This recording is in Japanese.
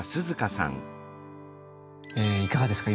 いかがですか？